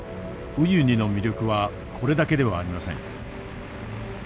ウユニの魅力はこれだけではありません。